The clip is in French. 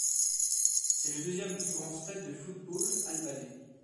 C'est le deuxième plus grand stade de football albanais.